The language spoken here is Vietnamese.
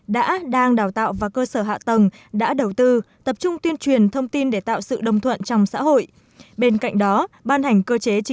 đã đang đào tạo và cơ sở hạ tầng đã đầu tư tập trung tuyên truyền thông tin để tạo sự đồng thuận trong xã hội